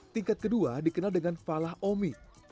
tingkat kedua dikenal dengan fala omi